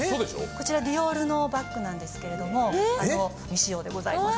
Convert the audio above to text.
こちらディオールのバッグなんですけれども未使用でございます。